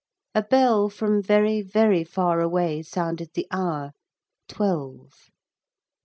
A bell from very very far away sounded the hour, twelve.